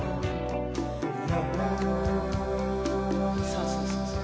そうそうそうそう。